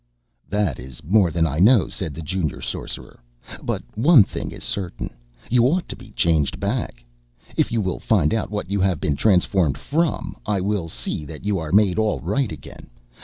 "That is more than I know," said the Junior Sorcerer. "But one thing is certain you ought to be changed back. If you will find out what you have been transformed from, I will see that you are made all right again.